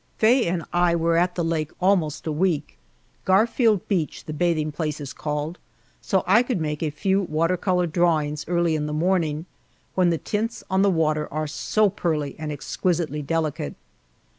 Faye and I were at the lake almost a week Garfield Beach the bathing place is called so I could make a few water color drawings early in the morning, when the tints on the water are so pearly and exquisitely delicate.